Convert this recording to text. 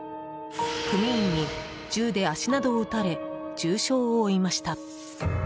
組員に銃で足などを撃たれ重傷を負いました。